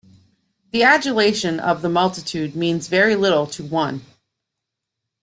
The adulation of the multitude means very little to one.